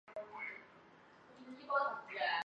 迈克尔王子由其母亲抚养长大。